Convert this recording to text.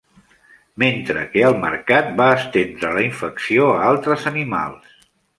Mentre que al mercat va estendre la infecció a altres animals.